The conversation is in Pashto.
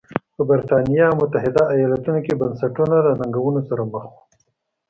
په برېټانیا او متحده ایالتونو کې بنسټونه له ننګونو سره مخ وو.